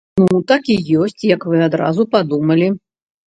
Ну так і ёсць, як вы адразу падумалі.